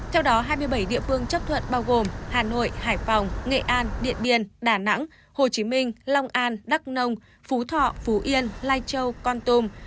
theo đó hai mươi bảy địa phương chấp thuận bao gồm hà nội hải phòng nghệ an điện biên đà nẵng hồ chí minh long an đắk nông phú thọ phú yên lai châu con tum